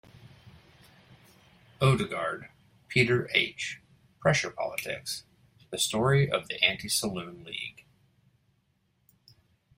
Odegard, Peter H. "Pressure Politics: The Story of the Anti-Saloon League".